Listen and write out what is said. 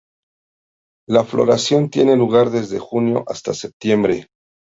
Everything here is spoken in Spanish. La floración tiene lugar desde junio hasta septiembre.